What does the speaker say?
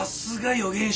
予言者？